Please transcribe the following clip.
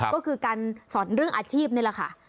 ก็คือการสอนเรื่องอาชีพนี่แหละค่ะ